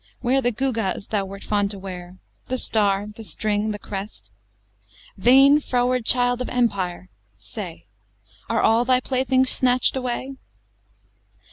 where The gewgaws thou wert fond to wear, The star, the string, the crest? Vain froward child of empire! say, Are all thy playthings snatched away?